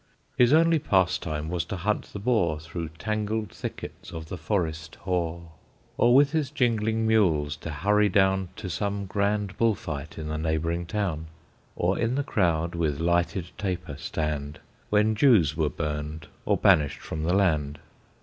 His only pastime was to hunt the boar Through tangled thickets of the forest hoar, Or with his jingling mules to hurry down To some grand bull fight in the neighboring town, Or in the crowd with lighted taper stand, When Jews were burned, or banished from the land.